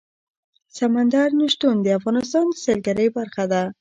سمندر نه شتون د افغانستان د سیلګرۍ برخه ده.